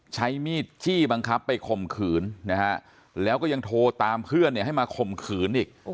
ใช้มีดจี้บังคับไปข่มขืนนะฮะแล้วก็ยังโทรตามเพื่อนให้มาข่มขืนอีก